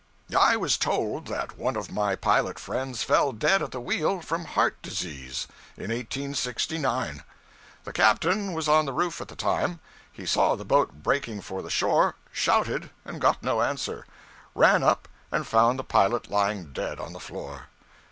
I was told that one of my pilot friends fell dead at the wheel, from heart disease, in 1869. The captain was on the roof at the time. He saw the boat breaking for the shore; shouted, and got no answer; ran up, and found the pilot lying dead on the floor.